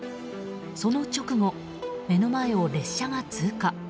その直後、目の前を列車が通過。